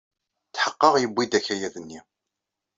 Tḥeqqeɣ yuwey-d akayad-nni.